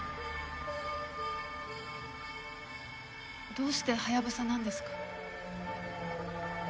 どうしてハヤブサなんですか？